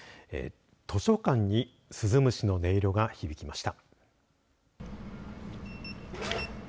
図書館に鈴虫の音色が響きました。